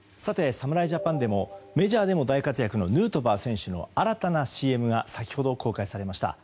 侍ジャパンでもメジャーでも大活躍のヌートバー選手の新たなＣＭが先ほど公開されました。